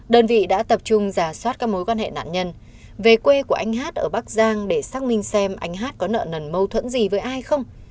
đơn vị đã tập trung giả soát các mối quan hệ nạn nhân về quê của anh hát ở bắc giang để xác minh xem anh hát có nợ nần mâu thuẫn gì với ai không